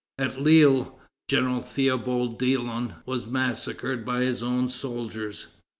At Lille, General Theobald Dillon was massacred by his own soldiers.